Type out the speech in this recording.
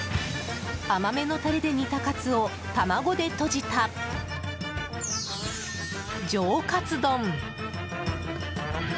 甘めのタレで煮たカツを卵でとじた上カツ丼。